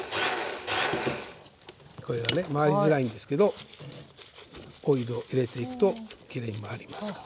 これがね回りづらいんですけどオイルを入れていくときれいに回りますから。